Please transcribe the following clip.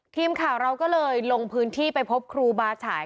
ทีมข่าวเราก็เลยลงพื้นที่ไปพบครูบาฉาย